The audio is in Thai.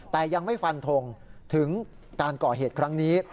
แต่ยังไม่ฟันทงถึงการก่อเหตุครั้งนี้